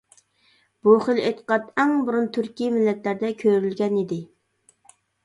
بۇ خىل ئېتىقاد ئەڭ بۇرۇن تۈركىي مىللەتلەردە كۆرۈلگەن ئىدى.